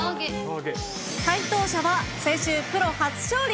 解答者は、先週プロ初勝利。